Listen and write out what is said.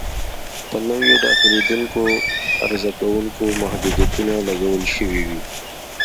په نویو داخلېدونکو عرضه کوونکو محدودیتونه لګول شوي وي.